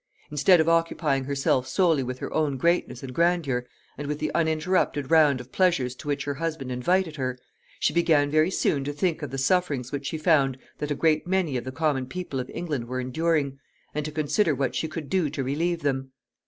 Instead of occupying herself solely with her own greatness and grandeur, and with the uninterrupted round of pleasures to which her husband invited her, she began very soon to think of the sufferings which she found that a great many of the common people of England were enduring, and to consider what she could do to relieve them.